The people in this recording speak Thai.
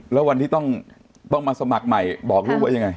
แล้ววันที่ต้องมาสมัครใหม่บอกลูกว่ายังไง